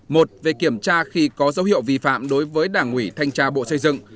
một về kiểm tra khi có dấu hiệu vi phạm đối với đảng ủy thanh tra bộ xây dựng